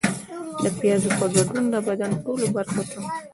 د پیازو په ګډون د بدن ټولو برخو ته